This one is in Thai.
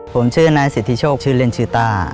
ผมชื่อนายสิทธิโชคชื่อเล่นชื่อต้า